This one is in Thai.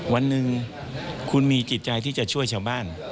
วันหนึ่งคุณมีจิตใจที่จะช่วยชาวบ้าน